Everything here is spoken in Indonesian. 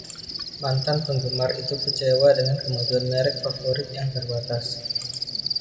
Mantan penggemar itu kecewa dengan kemajuan merek favorit yang terbatas.